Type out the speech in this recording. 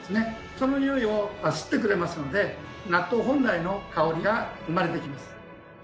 そのにおいを吸ってくれますので納豆本来の香りが生まれてきます。